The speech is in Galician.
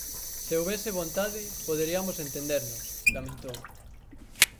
"Se houbese vontade, poderiamos entendernos", lamentou.